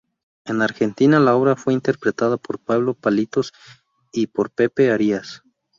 En Argentina la obra fue interpretada por Pablo Palitos y por Pepe Arias.